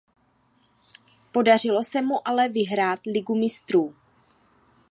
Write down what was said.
Podařilo se mu ale vyhrát Ligu mistrů.